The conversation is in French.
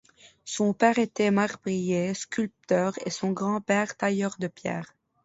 Son père était marbrier-sculpteur et son grand-père tailleur de pierre.